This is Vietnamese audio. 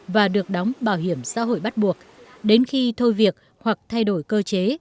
và được đóng bảo hiểm xã hội bắt buộc đến khi thôi việc hoặc thay đổi cơ chế